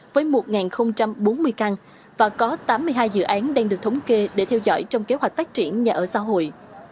với một bốn mươi căn và có tám mươi hai dự án đang được thống kê để theo dõi trong kế hoạch phát triển nhà ở xã hội